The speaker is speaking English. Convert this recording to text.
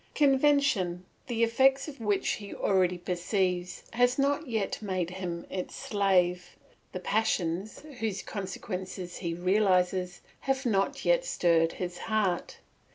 Convention, the effects of which he already perceives, has not yet made him its slave, the passions, whose consequences he realises, have not yet stirred his heart.